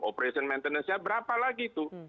operation maintenance nya berapa lagi tuh